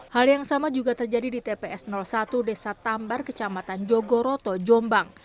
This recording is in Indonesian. hal yang sama juga terjadi di tps satu desa tambar kecamatan jogoroto jombang